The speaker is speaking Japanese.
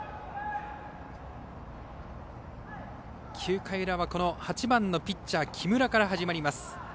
９回裏は８番のピッチャー木村から始まります。